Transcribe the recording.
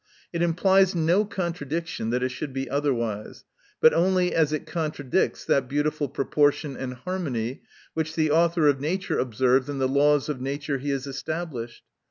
It implies no contradiction, that it should be otherwise : but only as it contradicts that beau tiful proportion and harmony, which the author of nature observes in the laws of nature he has established.